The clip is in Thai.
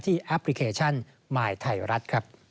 ที่แอปพลิเคชันหมายไทยรัฐ